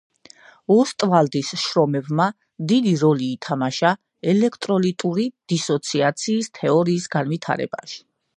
ოსტვალდის შრომებმა დიდი როლი ითამაშა ელექტროლიტური დისოციაციის თეორიის განვითარებაში.